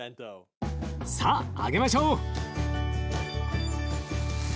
さあ揚げましょう！